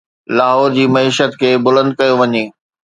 لاهور جي معيشت کي بلند ڪيو وڃي.